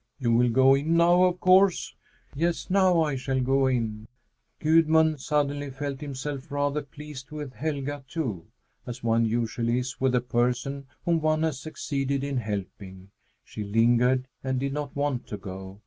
"You will go in now, of course?" "Yes, now I shall go in." Gudmund suddenly felt himself rather pleased with Helga too as one usually is with a person whom one has succeeded in helping. She lingered and did not want to go.